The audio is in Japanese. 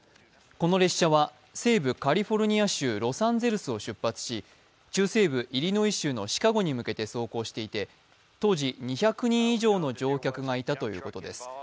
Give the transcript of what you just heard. この列車は西武カリフォルニア州ロサンゼルスを出発し、中西部イリノイ州のシカゴに向けて走行していて、当時２００人以上の乗客がいたということです。